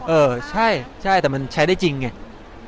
เออใช่ใช่แต่มันใช้ได้จริงไง